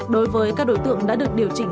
đối với các đối tượng đã được điều chỉnh